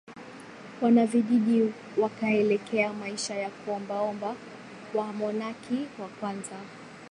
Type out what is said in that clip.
wanavijiji wakaelekea maisha ya kuombaomba Wamonaki wa kwanza